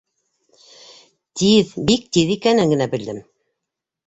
Тиҙ, бик тиҙ икәнен генә белдем.